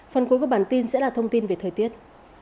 phần cuối của bản tin sẽ là thông tin về thời tiết